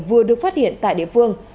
vừa được phát hiện tại địa phương